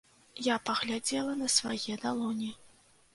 Я паглядзела на свае далоні.